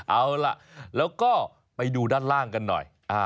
เอาล่ะแล้วก็ไปดูด้านล่างกันหน่อย